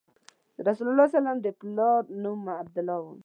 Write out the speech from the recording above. د رسول الله د پلار نوم یې عبدالله و.